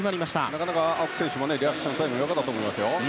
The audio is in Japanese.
なかなか青木選手もリアクションタイムが良かったと思います。